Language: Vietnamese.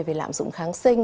về lạm dụng kháng sinh